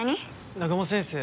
南雲先生